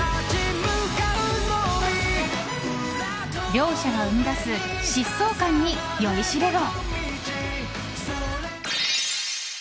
両者が生み出す疾走感に酔いしれろ！